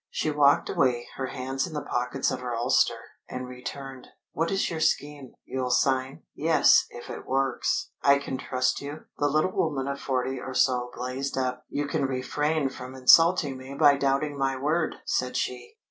She walked away, her hands in the pockets of her ulster, and returned. "What is your scheme?" "You'll sign?" "Yes, if it works." "I can trust you?" The little woman of forty or so blazed up. "You can refrain from insulting me by doubting my word," said she.